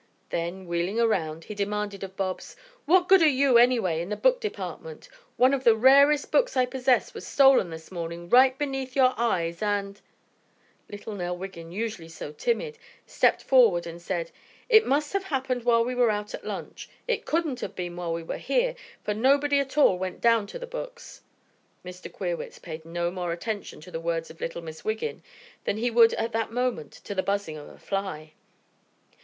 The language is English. Then, wheeling around, he demanded of Bobs: "What good are you, anyway, in the book department? One of the rarest books I possess was stolen this morning right beneath your very eyes, and " Little Nell Wiggin, usually so timid, stepped forward and said: "It must have happened while we were out at lunch. It couldn't have been while we were here, for nobody at all went down to the books." Mr. Queerwitz paid no more attention to the words of little Miss Wiggin than he would at that moment to the buzzing of a fly.